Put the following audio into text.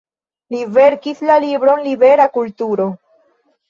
Li verkis la libron "Libera kulturo".